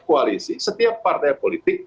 koalisi setiap partai politik